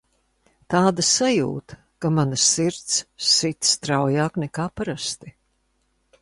Tāda sajūta, ka mana sirds sit straujāk nekā parasti.